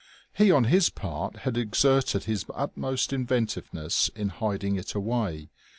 He on his part had exerted his utmost inventiveness in hiding it away.